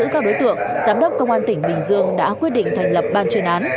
công an tỉnh bình dương đã quyết định thành lập ban chuyên án